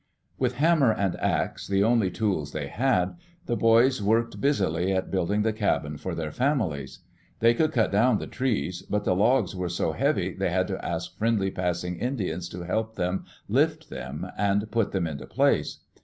With hammer and axe, the only tools they had, the boys worked busily at building the cabin for their families. They could cut down the trees, but the logs were so heavy they had to ask friendly passing Indians to help them lift them and put them into place.